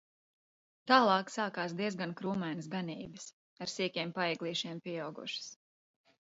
Tālāk sākās diezgan krūmainas ganības ar sīkiem paeglīšiem pieaugušas.